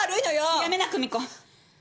やめな久美子！